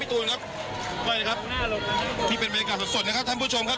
พี่ตูนครับที่เป็นบรรยากาศสดสดนะครับท่านผู้ชมครับ